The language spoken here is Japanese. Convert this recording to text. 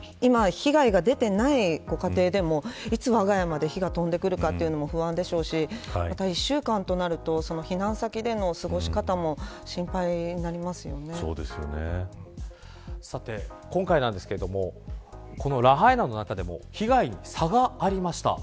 今、被害が出ていないご家庭でもいつ我が家まで火が飛んでくるか不安でしょうし１週間となると、避難先でのさて、今回なんですがラハイナの中でも被害に差がありました。